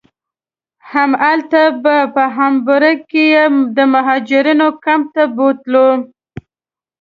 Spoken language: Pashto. همالته په هامبورګ کې یې د مهاجرینو کمپ ته بوتلو.